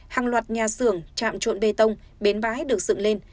hàng loạt nhà xưởng trạm trộn bê tông bến bãi được dựng lên